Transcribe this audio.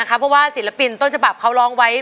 เพราะว่าศิลปินต้นฉบับเขาร้องไว้